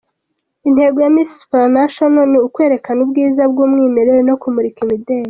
Intego ya Miss Supranational ni ukwerekana ubwiza bw’umwimerere no kumurika imideli.